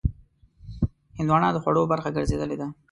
هندوانه د خوړو برخه ګرځېدلې ده.